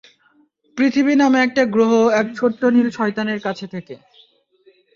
পৃথিবী নামে একটা গ্রহের এক ছোট্ট নীল শয়তানের কাছ থেকে।